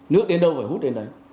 nước đến đâu phải hút đến đấy